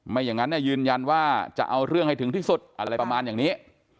อย่างนั้นยืนยันว่าจะเอาเรื่องให้ถึงที่สุดอะไรประมาณอย่างนี้